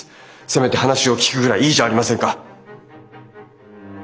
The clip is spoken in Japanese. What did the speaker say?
せめて話を聞くぐらいいいじゃありませんか。